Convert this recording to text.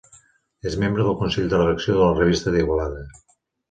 És membre del consell de redacció de la Revista d'Igualada.